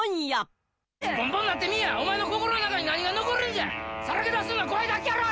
すっぽんぽんになってみいや、お前の心の中に何が残るんじゃ、さらけ出すのが怖いだけやろ！